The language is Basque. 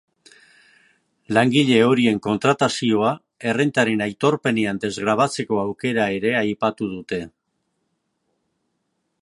Langile horien kontratazioa errentaren aitorpenean desgrabatzeko aukera ere aipatu dute.